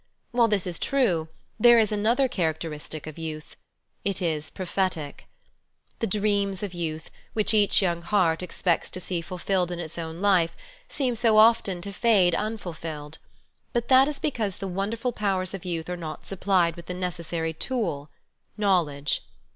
While this is true, there is another characteristic of youth : It is prophetic ! The dreams of youth, which each young heart expects to see fulfilled in its own life, seem so often to fade unfulfilled. But that is because the wonderRil powers of youth are not supplied with the necessary tool — knowledge.